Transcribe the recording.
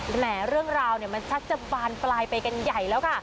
แหมเรื่องราวมันชักจะบานปลายไปกันใหญ่แล้วค่ะ